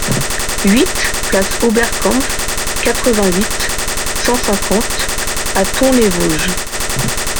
huit place Oberkampf, quatre-vingt-huit, cent cinquante à Thaon-les-Vosges